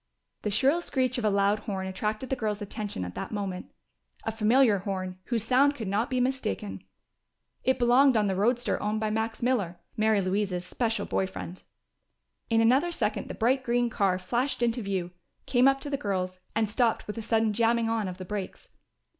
The shrill screech of a loud horn attracted the girls' attention at that moment. A familiar horn, whose sound could not be mistaken. It belonged on the roadster owned by Max Miller, Mary Louise's special boy friend. In another second the bright green car flashed into view, came up to the girls, and stopped with a sudden jamming on of the brakes.